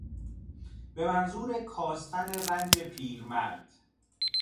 به منظور کاستن رنج پیرمرد